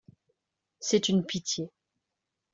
C’est une pitié.